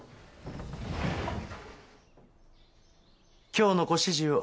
今日のご指示を。